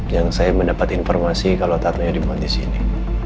yang saya mendapat informasi kalau tatanya dibuat di sini